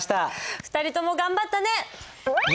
２人とも頑張ったね！